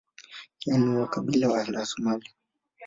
Yeye ni wa kabila la Somalia.